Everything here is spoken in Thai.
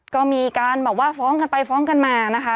ก็มีการแบบว่าฟ้องกันไปฟ้องกันมานะคะ